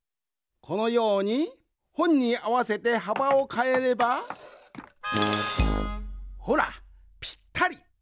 このようにほんにあわせてはばをかえればほらぴったり。